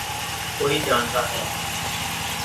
کوئی جانتا ہے۔